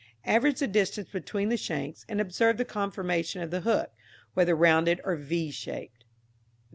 Average the distance between the shanks, and observe the conformation of the hook, whether rounded or v shaped.